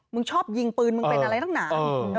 มึงชอบยิงปืนมึงเป็นอะไรตั้งหนา